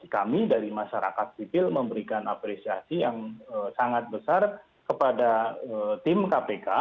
kami dari masyarakat sipil memberikan apresiasi yang sangat besar kepada tim kpk